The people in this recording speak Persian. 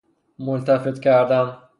ملتف کردن